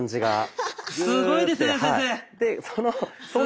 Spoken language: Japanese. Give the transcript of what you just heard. すごいですね先生！